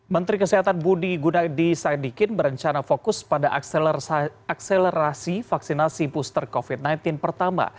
menteri kesehatan budi gunadi sadikin berencana fokus pada akselerasi vaksinasi booster covid sembilan belas pertama